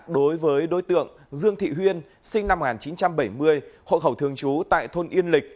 đối với đối tượng dương thị huyên sinh năm một nghìn chín trăm bảy mươi hộ khẩu thường trú tại thôn yên lịch